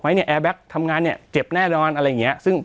ไหมเนี้ยแอร์แบคทำงานเนี้ยเจ็บแน่ร้อนอะไรเงี้ยซึ่ง